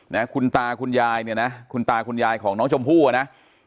นะคุณตาคุณยายเนี่ยนะคุณตาคุณยายของน้องชมพู่อ่ะนะ